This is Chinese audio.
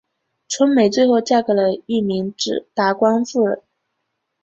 春梅最后嫁给了一名达官贵人。